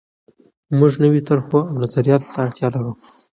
موږ نویو طرحو او نظریاتو ته اړتیا لرو.